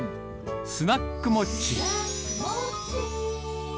スナックモッチー。